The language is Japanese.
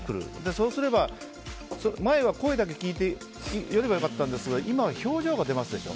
そうすれば、前は声だけ聞いてやれば良かったんですが今は表情が出ますでしょ。